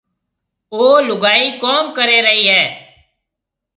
او لُگائي ڪوم ڪري رئي هيَ۔